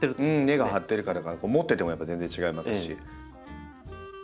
根が張ってるからか持っててもやっぱり全然違いますし。